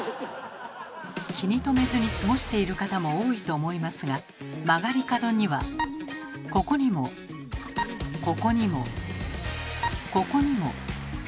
気に留めずに過ごしている方も多いと思いますが曲がり角にはここにもここにもここにも。